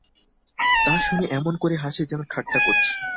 তা শুনে এমন করে হাসে যেন ঠাট্টা করছি।